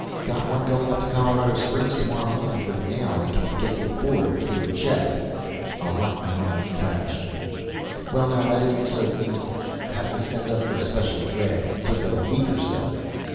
"Got one going up to Colorado Springs tomorrow morning for the mail. I can get you aboard, give you a check " "I'll want my money in cash." "Well, now, that isn't so easy. Have to send up for a special draft. Take a week or so."